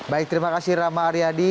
baik terima kasih rama aryadi